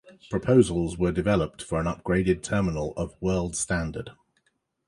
Proposals were developed for an upgraded terminal of world standard.